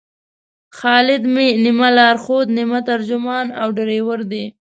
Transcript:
خالد مې نیمه لارښود، نیمه ترجمان او ډریور دی.